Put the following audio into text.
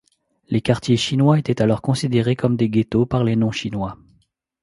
Les quartiers chinois étaient alors considérés comme des ghettos par les non-chinois.